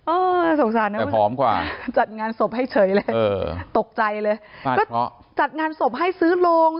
โอ้ยสงสารนะครับจัดงานศพให้เฉยเลยตกใจเลยจัดงานศพให้ซื้อลง